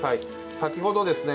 先ほどですね